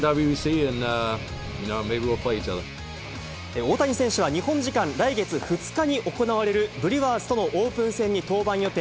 大谷選手は日本時間、来月２日に行われるブリュワーズとのオープン戦に登板予定。